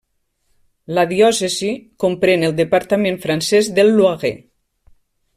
La diòcesi comprèn el departament francès del Loiret.